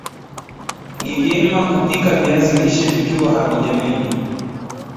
ni nyema kupika viazi lishe vikiwa havija menywa